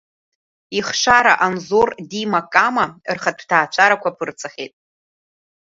Ихшара Анзор, Дима, Кама рхатәы ҭаацәарақәа аԥырҵахьеит.